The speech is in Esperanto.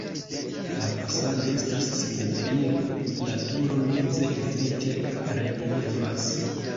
La fasado estas simetria, la turo meze iomete reliefas.